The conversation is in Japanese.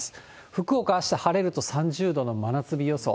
福岡は、あした晴れると３０度の真夏日予想。